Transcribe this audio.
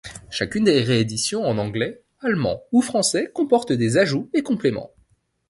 Chacune des rééditions en anglais, allemand ou français comporte des ajouts et compléments.